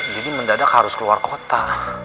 jadi mendadak harus keluar kota